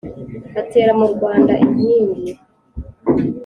atera mu rwanda inkingi